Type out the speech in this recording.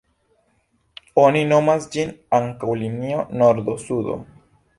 Oni nomas ĝin ankaŭ linio nordo-sudo.